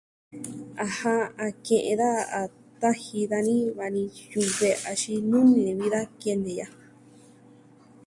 Ajan, a ke'en daja a kaji dani va ni yuve axin nuni nee vi da ke'en ni ya'a.